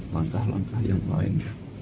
langkah langkah yang lain